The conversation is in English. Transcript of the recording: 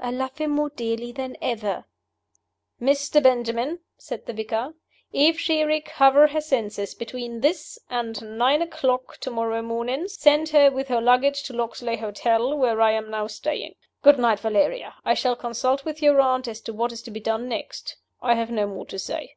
"I love him more dearly than ever." "Mr. Benjamin," said the vicar, "if she recover her senses between this and nine o'clock to morrow morning, send her with her luggage to Loxley's Hotel, where I am now staying. Good night, Valeria. I shall consult with your aunt as to what is to be done next. I have no more to say."